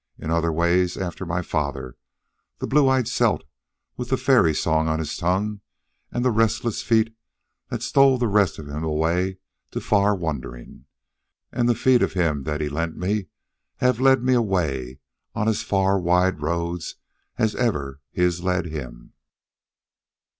In other ways after my father, the blue eyed Celt with the fairy song on his tongue and the restless feet that stole the rest of him away to far wandering. And the feet of him that he lent me have led me away on as wide far roads as ever his led him."